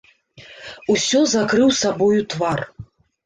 Усё закрыў сабою твар.